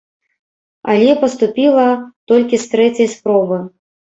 Але паступіла толькі з трэцяй спробы.